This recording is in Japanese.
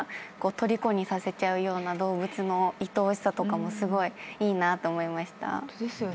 とりこにさせちゃうような動物のいとおしさとかもすごいいいなと思いました。